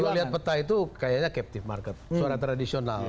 kalau lihat peta itu kayaknya captive market suara tradisional